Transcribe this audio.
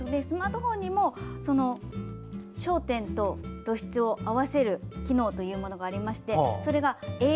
スマートフォンにも焦点と露出を合わせる機能というものがありまして。